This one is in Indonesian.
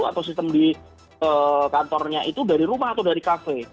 atau sistem di kantornya itu dari rumah atau dari kafe